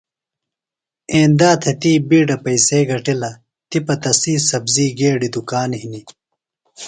ایندا تھےۡ تی بِیڈہ پیئسے گِٹلہ تِپہ تسی سبزی گیڈیۡ دُکان ہِنیۡ.